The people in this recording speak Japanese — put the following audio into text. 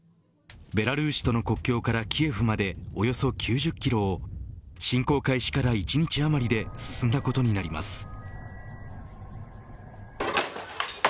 ベラルーシとの国境からキエフまでおよそ９０キロを侵攻開始から１日あまりで進んだことになります。